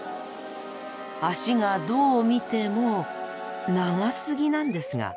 脚がどう見ても長すぎなんですが。